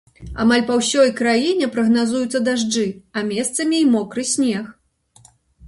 Амаль па ўсёй краіне прагназуюцца дажджы, а месцамі і мокры снег.